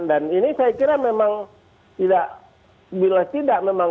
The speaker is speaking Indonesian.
dan ini saya kira memang tidak bila tidak memang